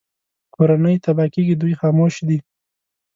کورنۍ تباه کېږي دوی خاموش دي